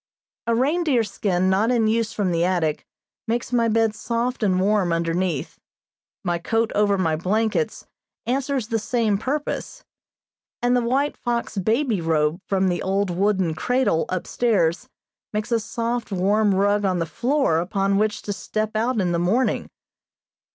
A reindeer skin not in use from the attic makes my bed soft and warm underneath, my coat over my blankets answers the same purpose, and the white fox baby robe from the old wooden cradle upstairs makes a soft, warm rug on the floor upon which to step out in the morning.